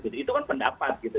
itu kan pendapat gitu